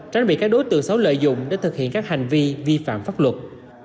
tránh bị các đối tượng xấu lợi dụng để thực hiện các hành vi vi phạm pháp luật